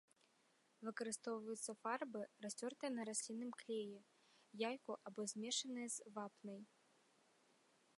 Выкарыстоўваюцца фарбы, расцёртыя на раслінным клеі, яйку або змешаныя з вапнай.